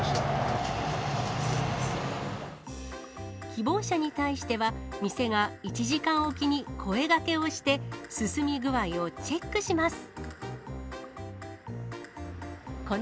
希望者に対しては、店が１時間置きに声がけをして、進み具合をチェックします。